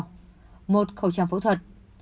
một khẩu trang phẫu thuật